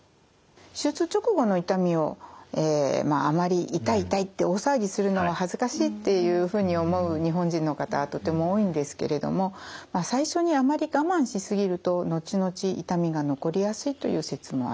手術直後の痛みをあまり痛い痛いって大騒ぎするのは恥ずかしいっていうふうに思う日本人の方はとても多いんですけれども最初にあまり我慢しすぎると後々痛みが残りやすいという説もあるんですね。